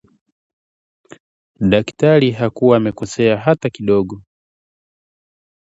" Daktari hakuwa amekosea hata kidogo"